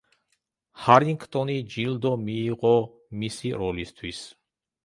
ჰარინგტონი ჯილდო მიიღო მისი როლისთვის.